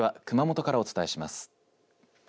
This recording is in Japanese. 熊本からお伝えします。